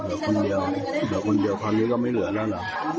เหลือคนเดียวเหลือคนเดียวคราวนี้ก็ไม่เหลือแล้วเหรอ